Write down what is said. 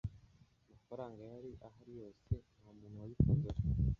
Amafaranga yari ahari yose. Nta muntu wabikozeho.